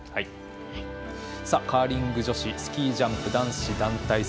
カーリング女子スキージャンプ男子団体